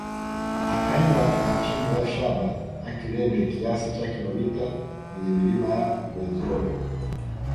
Akaenda machimbo ya shaba ya Kilembe kiasi cha kilometa kwenye milima ya Ruwenzori